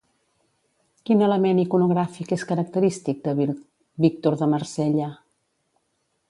Quin element iconogràfic és característic de Víctor de Marsella?